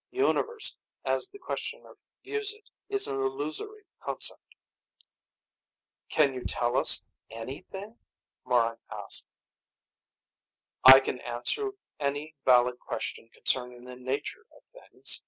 Universe, as the Questioner views it, is an illusory concept." "Can you tell us anything?" Morran asked. "I can answer any valid question concerning the nature of things."